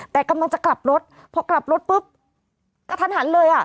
แต่กำลังจะกลับรถพอกลับรถปุ๊บกระทันหันเลยอ่ะ